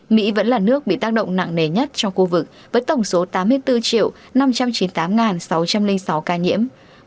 mỹ vẫn là nước bị tác động nặng nề nhất trong khu vực với tổng số tám mươi bốn năm trăm chín mươi tám sáu trăm linh sáu ca nhiễm